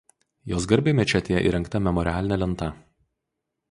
Jos garbei mečetėje įrengta memorialinė lenta.